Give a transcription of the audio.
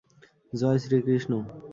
Joy Shrikrishna!